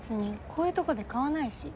こういうとこで買わないし。